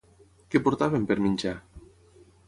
Què portaven per menjar?